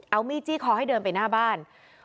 เอามีดจี้คอให้เดินไปหน้าบ้าน